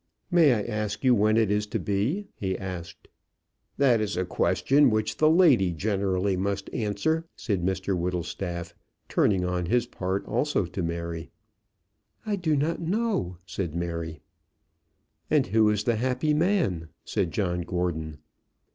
"May I ask you when it is to be?" he asked. "That is a question which the lady generally must answer," said Mr Whittlestaff, turning on his part also to Mary. "I do not know," said Mary. "And who is the happy man?" said John Gordon.